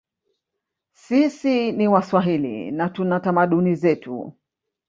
Sisi ni waswahili na tuna tamaduni zetu